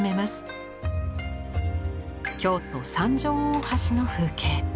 京都・三条大橋の風景。